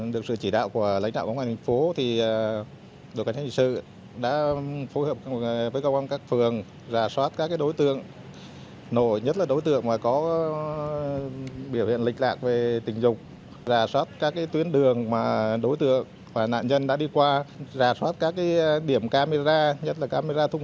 được sự chỉ đạo của lãnh đạo công an thành phố đội cảnh sát tình sự đã phối hợp với công an các phường